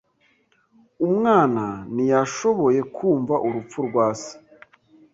Umwana ntiyashoboye kumva urupfu rwa se.